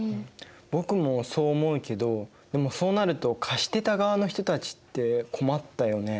僕もそう思うけどでもそうなると貸してた側の人たちって困ったよね？